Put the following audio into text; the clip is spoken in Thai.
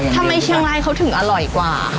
ทำไมเชียงรายเขาถึงอร่อยกว่า